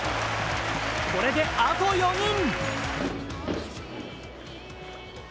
これであと４人！